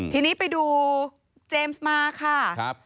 ทีนี้ไปดูเจมส์มาค่ะ